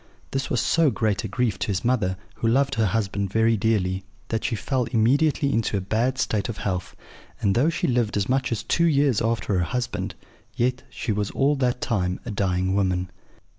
This was so great a grief to his mother, who loved her husband very dearly, that she fell immediately into a bad state of health; and though she lived as much as two years after her husband, yet she was all that time a dying woman.